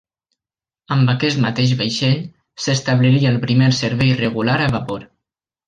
Amb aquest mateix vaixell, s'establiria el primer servei regular a vapor.